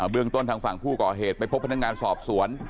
เบื้องต้นทางฝั่งผู้ก่อเหตุไปเจอกันทางพนักงานสอบสวน